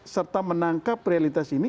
serta menangkap realitas ini